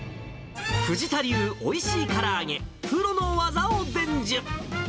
藤田流おいしいから揚げ、プロの技を伝授。